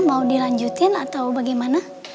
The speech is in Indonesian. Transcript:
mau dilanjutin atau bagaimana